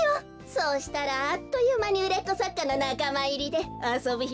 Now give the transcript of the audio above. そうしたらあっというまにうれっこさっかのなかまいりであそぶひまもなくなるわね。